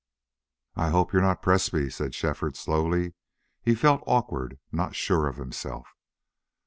"I hope you're not Presbrey," said Shefford, slowly. He felt awkward, not sure of himself.